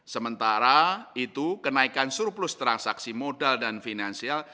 sementara itu kenaikan surplus transaksi modal dan finansial